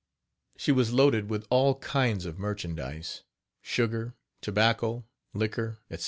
She was loaded with all kinds of merchandise sugar, tobacco, liquor, etc.